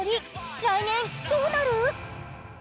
来年どうなる？